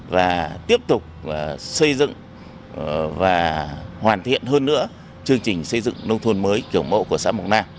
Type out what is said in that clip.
và tiếp tục xây dựng và hoàn thiện hơn nữa chương trình xây dựng nông thôn mới kiểu mẫu của xã mộc nam